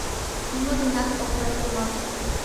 Нимо денат ок ойыртемалт...